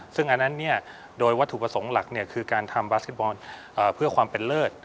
ซึ่งอันนั้นโดยวัตถุประสงค์หลักคือการทำบาสเก็ตบอลเพื่อความเป็นเลิศ